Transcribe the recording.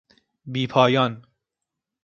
بیپایان